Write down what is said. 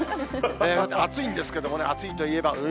暑いんですけどもね、暑いといえば海。